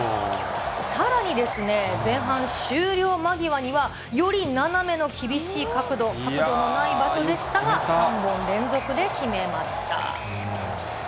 さらにですね、前半終了間際には、より斜めの厳しい角度、角度のない場所でしたが、３本連続で決めました。